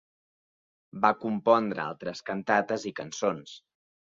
Va compondre altres cantates i cançons.